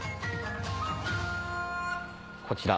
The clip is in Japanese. こちら。